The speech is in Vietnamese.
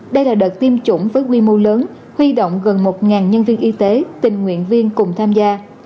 đây là đợt tiêm chủng với quy mô lớn huy động gần một nhân viên y tế tình nguyện viên cùng tham gia